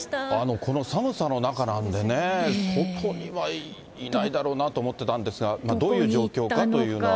この寒さの中なんでね、外にはいないだろうなと思ってたんですが、どういう状況かというのは。